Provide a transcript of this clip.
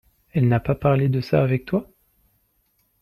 Elle n'a pas pas parlé de ça avec toi ?